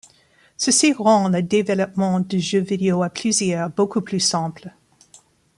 Ceci rend le développement de jeux vidéo à plusieurs beaucoup plus simple.